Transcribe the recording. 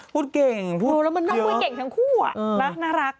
พูดเก่งทั้งคู่อะล้าน่ารัก